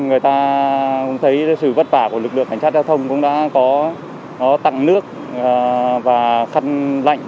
người ta cũng thấy sự vất vả của lực lượng cảnh sát giao thông cũng đã có tặng nước và khăn lạnh